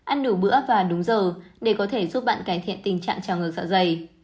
ăn nửa bữa và đúng giờ để có thể giúp bạn cải thiện tình trạng trào ngược dạ dày